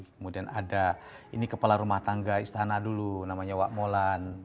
kemudian ada ini kepala rumah tangga istana dulu namanya wak molan